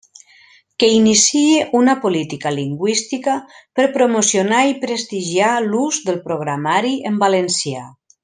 Que iniciï una política lingüística per promocionar i prestigiar l'ús del programari en valencià.